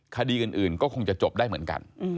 คดีอื่นก็คงจะจบได้เหมือนกัน